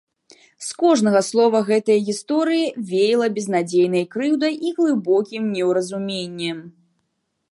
З кожнага слова гэтае гісторыі веяла безнадзейнай крыўдай і глыбокім неўразуменнем.